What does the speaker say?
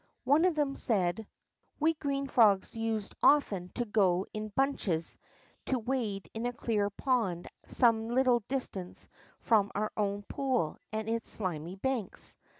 One of them said: We green frogs used often to go in bimches to wade in a clear pond some little distance from onr own pool and its slimy banks.